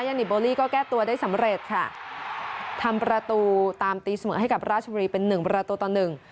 นิโบลี่ก็แก้ตัวได้สำเร็จค่ะทำประตูตามตีเสมอให้กับราชบุรีเป็นหนึ่งประตูต่อหนึ่ง